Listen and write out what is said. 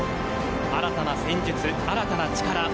新たな戦術、新たな力